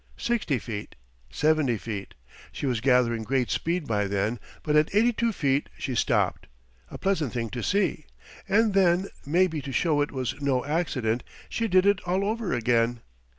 Sixty feet, 70 feet she was gathering great speed by then, but at 82 feet she stopped a pleasant thing to see. And then, maybe to show it was no accident, she did it all over again.